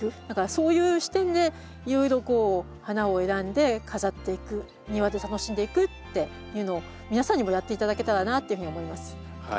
だからそういう視点でいろいろこう花を選んで飾っていく庭で楽しんでいくっていうのを皆さんにもやって頂けたらなっていうふうに思います。